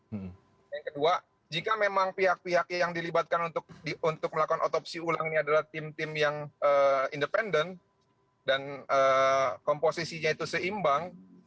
yang kedua jika memang pihak pihak yang dilibatkan untuk melakukan otopsi ulang ini adalah tim tim yang independen dan komposisinya itu seimbang